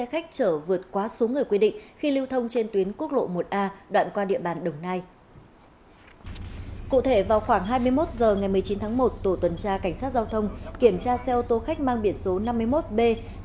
hai mươi một h ngày một mươi chín tháng một tổ tuần tra cảnh sát giao thông kiểm tra xe ô tô khách mang biển số năm mươi một b hai mươi sáu nghìn hai trăm năm mươi hai